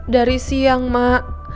dari siang mak